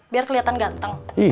biar keliatan ganteng